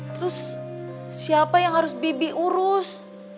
terus siapa yang harus bibi urus